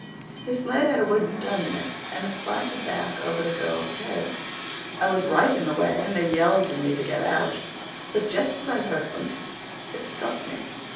His sled had a wooden tongue in it and it slanted back over the girls' heads. I was right in the way and they yelled to me to get out, but just as I heard them it struck me.